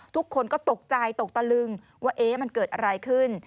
ทุกคนก็ตกใจตกตะลึงว่ามันเกิดอะไรขึ้น